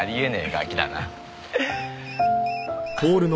ガキだな。